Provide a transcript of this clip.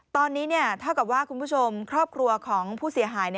ตอนนี้เท่ากับว่าคุณผู้ชมครอบครัวของผู้เสียหาย